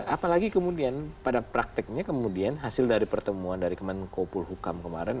apalagi kemudian pada prakteknya kemudian hasil dari pertemuan dari kemenkopul hukam kemarin